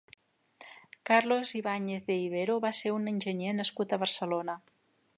Carlos Ibáñez de Ibero va ser un enginyer nascut a Barcelona.